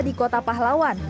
di kota pahlawan